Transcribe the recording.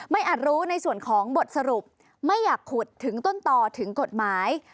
อาจรู้ในส่วนของบทสรุปไม่อยากขุดถึงต้นต่อถึงกฎหมาย